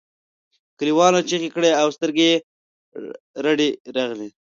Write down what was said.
کليوالو چیغې کړې او سترګې یې رډې راغلې.